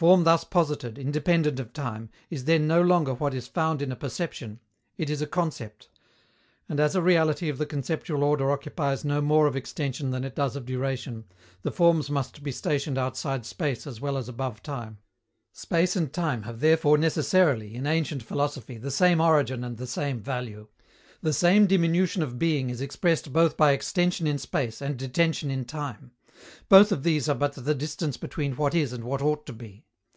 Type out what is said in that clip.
Form thus posited, independent of time, is then no longer what is found in a perception; it is a concept. And, as a reality of the conceptual order occupies no more of extension than it does of duration, the Forms must be stationed outside space as well as above time. Space and time have therefore necessarily, in ancient philosophy, the same origin and the same value. The same diminution of being is expressed both by extension in space and detention in time. Both of these are but the distance between what is and what ought to be.